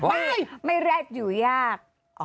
ไม่ไม่แร็ดอยู่ยาก